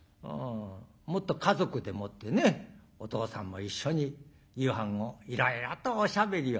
もっと家族でもってねお父さんも一緒に夕飯をいろいろとおしゃべりをする。